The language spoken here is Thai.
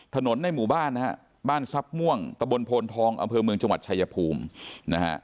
ในหมู่บ้านนะฮะบ้านทรัพย์ม่วงตะบนโพนทองอำเภอเมืองจังหวัดชายภูมินะฮะ